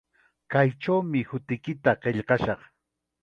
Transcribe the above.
Kaychawmi hutiykita qillqashaq.